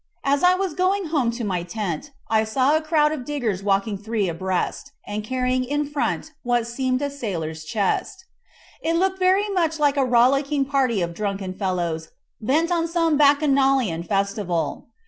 As I was going home to my tent I saw a crowd of diggers walking three abreast, and carrying in front what seem a sailor's chest. It looked very much like a rollicking party of drunken fellows bent on some Bacchanalian festival.